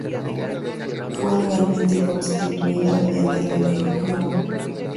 Fue legalmente constituida mediante la Ley No.